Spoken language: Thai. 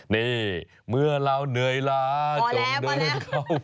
นี่เมื่อเราเหนื่อยล้าจงโดนเขา